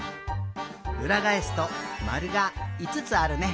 うらがえすとまるがいつつあるね。